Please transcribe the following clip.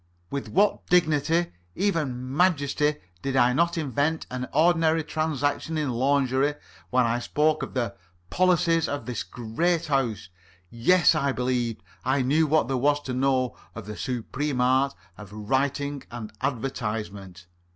With what dignity even majesty did I not invest an ordinary transaction in lingerie, when I spoke of 'the policy of this great House'! Yes, I believed I knew what there was to know of the supreme art of writing an advertisement.